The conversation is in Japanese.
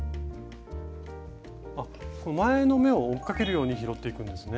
前の目を追っかけるように拾っていくんですね。